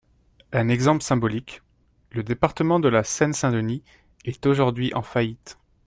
Un exemple symbolique, le département de la Seine-Saint-Denis est aujourd’hui en faillite.